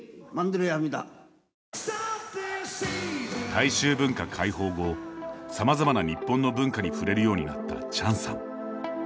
大衆文化開放後さまざまな日本の文化に触れるようになったチャンさん。